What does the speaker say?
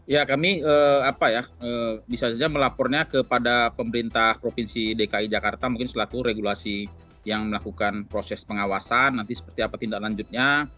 ya kami apa ya bisa saja melapornya kepada pemerintah provinsi dki jakarta mungkin selaku regulasi yang melakukan proses pengawasan nanti seperti apa tindak lanjutnya